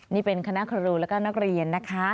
นี่เป็นคณะครูแล้วก็นักเรียนนะคะ